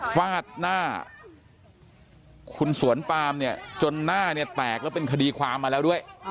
ฟาดหน้าคุณสวนปามเนี่ยจนหน้าเนี่ยแตกแล้วเป็นคดีความมาแล้วด้วย